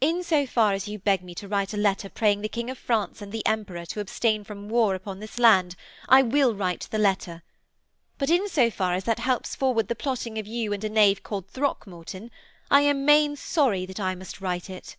'In so far as you beg me to write a letter praying the King of France and the Emperor to abstain from war upon this land, I will write the letter. But, in so far as that helps forward the plotting of you and a knave called Throckmorton, I am main sorry that I must write it.'